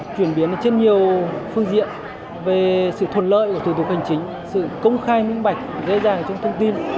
chuyển biến trên nhiều phương diện về sự thuận lợi của thủ tục hành chính sự công khai minh bạch dễ dàng trong thông tin